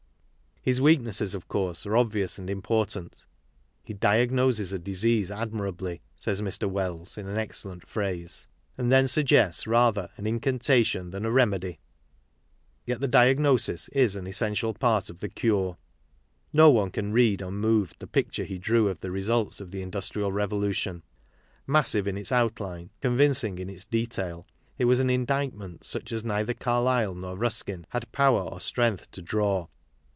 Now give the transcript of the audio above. His weaknesses, of course, are obvious and important.! " He diagnoses a disease admirably," says Mr. Wells, in an excellent phrase, " and then suggests rather an! incantation than a remedy." Yet the diagnosis is an essential part of the cure. No one can read unmoved the picture he drew of the results of the Industrial Re volution. Massive in its outline, convincing in its detail, it was an indictment such as neither Carlyle nor Ruskin had power or strength to draw.